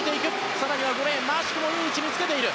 更には５レーン、マシュクもいい位置につけている。